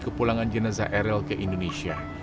kepulangan jenazah eril ke indonesia